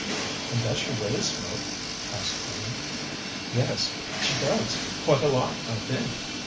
"And does she really smoke?" asked Tony. "Yes, she does. Quite a lot, I think."